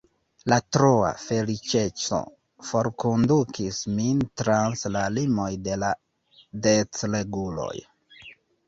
La troa feliĉeco forkondukis min trans la limoj de la decreguloj.